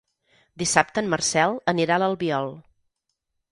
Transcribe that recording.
Dissabte en Marcel anirà a l'Albiol.